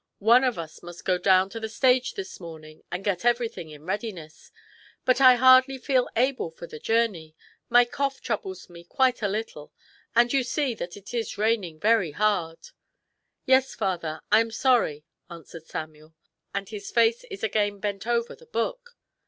One of us must go down on the stage this morning and get everything in readiness. But I hardly feel able for the journey. My cough troubles me quite a little, and you see that it is raining very hard." " Yes, father ; I am sorry," answers Samuel ; and his face is again bent over the book.